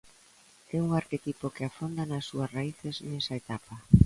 É un arquetipo que afonda nas súas raíces nesa etapa.